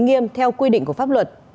tiêm theo quy định của pháp luật